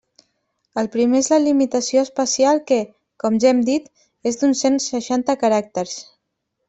El primer és la limitació espacial que, com ja hem dit, és d'uns cent seixanta caràcters.